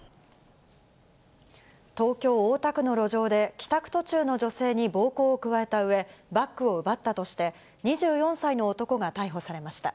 東京・大田区の路上で、帰宅途中の女性に暴行を加えたうえ、バッグを奪ったとして、２４歳の男が逮捕されました。